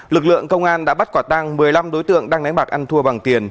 lực lượng công an đã bắt quả tang một mươi năm đối tượng đang đánh bạc ăn thua bằng tiền